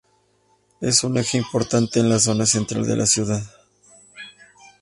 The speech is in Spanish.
Es un eje importante en la zona central de la ciudad.